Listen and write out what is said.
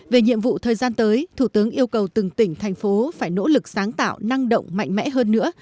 về nhiệm vụ thời gian tới thủ tướng yêu cầu từng tỉnh thành phố phải nỗ lực sáng tạo năng động mạnh mẽ hơn nữa